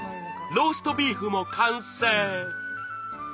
ローストビーフも完成。